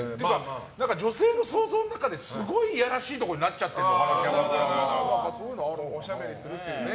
女性の想像の中ですごいいやらしいところにおしゃべりするっていうね。